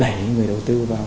để đẩy người đầu tư vào